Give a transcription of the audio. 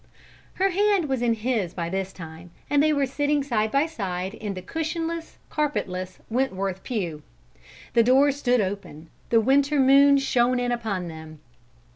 Her hand was in his by this time, and they were sitting side by side in the cushionless, carpetless Wentworth pew. The door stood open; the winter moon shone in upon them.